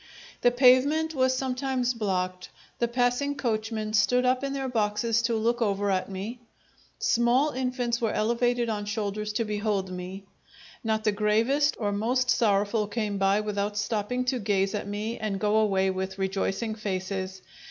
The pavement was sometimes blocked; the passing coachmen stood up in their boxes to look over at me, small infants were elevated on shoulders to behold me; not the gravest or most sorrowful came by without stopping to gaze at me and go away with rejoicing faces.